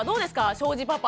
庄司パパ。